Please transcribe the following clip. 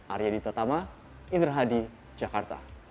arya ditatama indra hadi jakarta